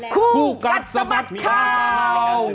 คู่กัดสมัครข่าว